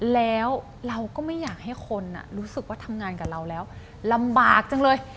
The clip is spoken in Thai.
แล้วเราก็ไม่อยากให้คนรู้สึกว่าทำงานกับเราแล้วลำบากจังเลย